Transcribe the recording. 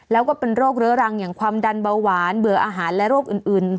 แล้วก็เป็นโรคเรื้อรังอย่างความดันเบาหวานเบื่ออาหารและโรคอื่น